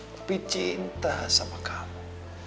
papi cinta sama kamu